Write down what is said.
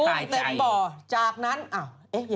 สวัสดีค่าข้าวใส่ไข่